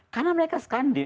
karena mereka skandi